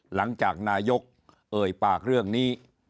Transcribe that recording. หลังจากนายกเอ่ยปากเรื่องนี้